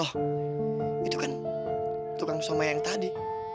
oh itu kan tukang soma yang tadi